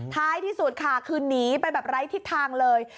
ท้ายที่สุดค่ะคือหนีไปแบบไร้ทิศทางเลย